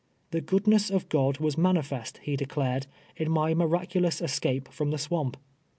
The goodness of God was manifest, he declared, in my miraculous escape from the swamp.